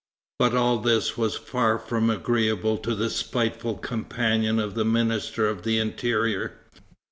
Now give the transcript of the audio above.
But all this was far from agreeable to the spiteful companion of the Minister of the Interior.